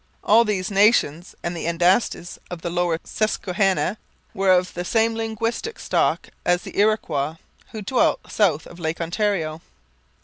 All these nations, and the Andastes of the lower Susquehanna, were of the same linguistic stock as the Iroquois who dwelt south of Lake Ontario.